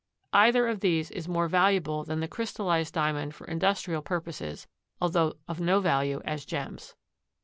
Either of these is more valuable than the crystallized Diamond for industrial purposes, although of no value as gems.